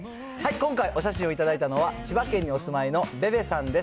今回、お写真を頂いたのは、千葉県にお住まいのべべさんです。